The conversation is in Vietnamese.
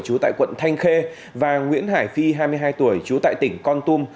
trú tại quận thanh khê và nguyễn hải phi hai mươi hai tuổi trú tại tỉnh con tum